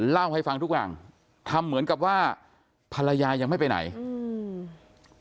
เล่าให้ฟังทุกอย่างทำเหมือนกับว่าภรรยายังไม่ไปไหนอืม